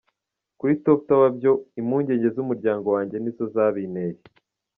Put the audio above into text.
Kuri Top Tower byo, impungenge z’umuryango wanjye nizo zabinteye.